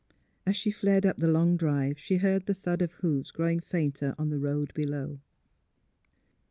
As she fled up the long drive she heard the thud of hoofs growing fainter on the road below.